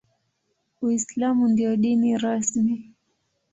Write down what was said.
Uislamu ndio dini rasmi.